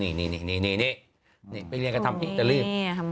นี่ไปเรียนกันทำอินเตอร์รีด